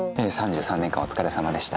３３年間お疲れさまでした。